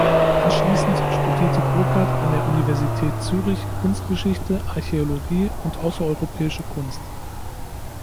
Anschliessend studierte Burckhardt an der Universität Zürich Kunstgeschichte, Archäologie und außereuropäische Kunst.